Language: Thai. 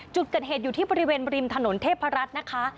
จุดเกิดเหตุอยู่ที่บริเวณริมถนนเทพรัฐนะคะ